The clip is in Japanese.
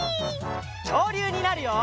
きょうりゅうになるよ！